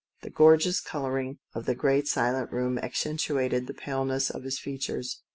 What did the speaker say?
The gorgeous colouring of the great silent room accentuated the paleness of his features.